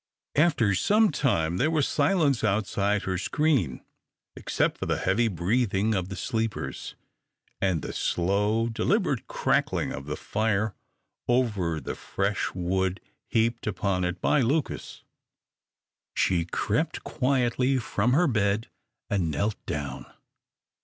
After some time there was silence outside her screen, except for the heavy breathing of the sleepers, and the slow, deliberate crackling of the fire over the fresh wood heaped upon it by Lucas. She crept quietly from her bed and knelt down.